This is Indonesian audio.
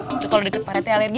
itu kalau deket pak rete alergi